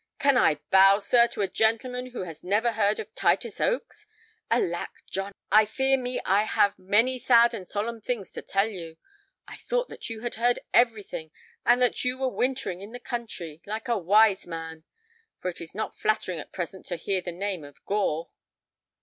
"Can I bow, sir, to a gentleman who has never heard of Titus Oates? Alack, John, I fear me I have many sad and solemn things to tell you! I thought that you had heard everything, and that you were wintering in the country—like a wise man. For it is not flattering at present to bear the name of Gore."